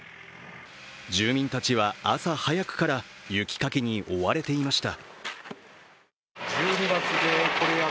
住民たちは朝早くから雪かきに追われていました。